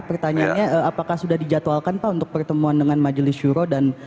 pertanyaannya apakah sudah dijadwalkan pak untuk pertemuan dengan majelis syuro dan